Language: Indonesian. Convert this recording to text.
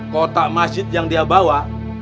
kotak masjid yang dia bawa